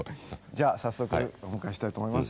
じゃあ早速お迎えしたいと思います。